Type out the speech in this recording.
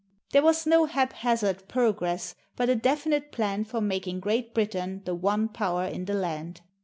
There was no haphazard progress, but a definite plan for making Great Britain the one power in the land.